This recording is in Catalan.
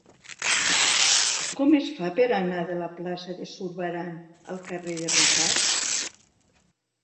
Com es fa per anar de la plaça de Zurbarán al carrer de Ricart?